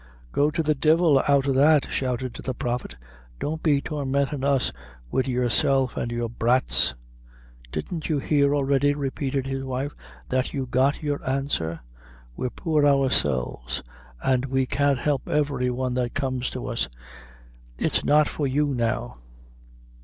"Go to the divil out o' that!" shouted the prophet "don't be tormentin' us wid yourself and your brats." "Didn't you hear already," repeated his wife, "that you got your answer? We're poor ourselves, and we can't help every one that comes to us. It's not for you now."